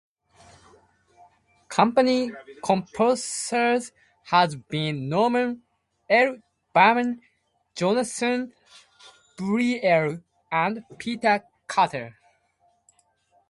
Company composers have been Norman L. Berman, Jonathan Brielle, and Peter Kater.